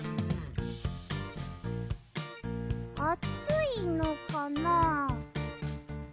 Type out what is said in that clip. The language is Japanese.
あついのかな？